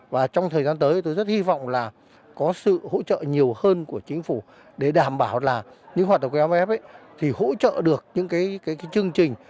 và trong thời gian tới tôi rất hy vọng là có sự hỗ trợ nhiều hơn của chính phủ để đảm bảo là những hoạt động gmf thì hỗ trợ được những cái chương trình